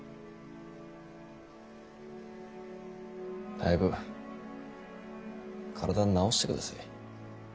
早く体を治してください。